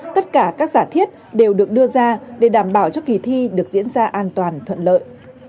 tất cả các giả thiết đều được đưa ra để đảm bảo cho kỳ thi được diễn ra an toàn thuận lợi